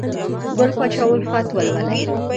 ګل پاچا الفت ولولئ!